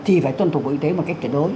thì phải tuân thủ bộ y tế một cách tuyệt đối